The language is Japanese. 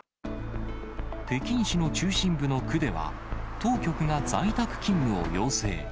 北京市の中心部の区では、当局が在宅勤務を要請。